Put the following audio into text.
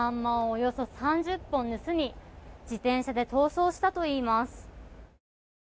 およそ３０本を盗み自転車で逃走したといいます。